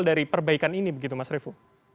dari perbaikan ini begitu mas revo